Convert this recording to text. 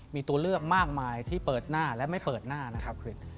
มีตัวเลือกมากมายที่เปิดหน้าและไม่เปิดหน้านะครับ